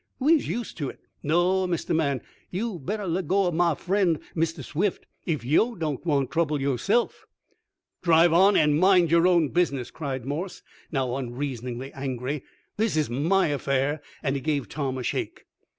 We's used to it. No, Mistah Man, you'd better let go ob mah friend, Mistah Swift, if yo' doan't want trouble yo' ownse'f." "Drive on, and mind your business!" cried Morse, now unreasoningly angry. "This is my affair," and he gave Tom a shake.